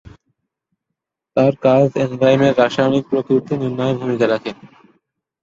তার কাজ এনজাইমের রাসায়নিক প্রকৃতি নির্ণয়ে ভূমিকা রাখে।